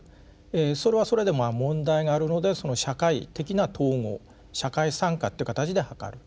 それはそれで問題があるのでその社会的な統合社会参加っていう形で図る。